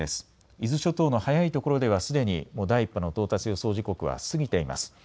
伊豆諸島の早いところではすでにもう第１波の到達予想時刻は過ぎています。